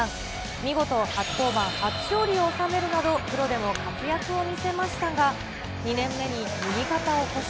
見事初登板初勝利を収めるなど、プロでも活躍を見せましたが、２年目に右肩を故障。